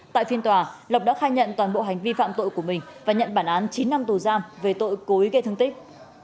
tại phiên tòa lộc đã khai nhận toàn bộ hành vi phạm tội của mình và nhận bản án chín năm tù giam về tội cố ý gây thương tích